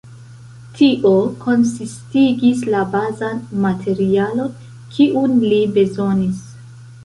Tio konsistigis la bazan materialon, kiun li bezonis.